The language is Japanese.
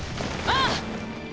ああ！